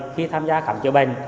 khi tham gia khám chữa bệnh